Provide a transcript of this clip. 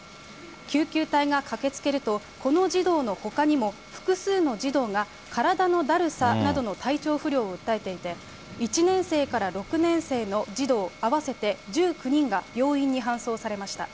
救急隊が駆けつけると、この児童のほかにも、複数の児童が体のだるさなどの体調不良を訴えていて、１年生から６年生の児童合わせて１９人が病院に搬送されました。